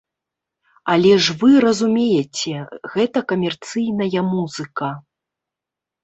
Але ж вы разумееце, гэта камерцыйная музыка.